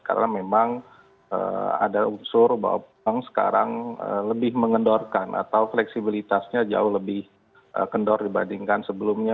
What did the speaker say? karena memang ada unsur bahwa sekarang lebih mengendorkan atau fleksibilitasnya jauh lebih kendor dibandingkan sebelumnya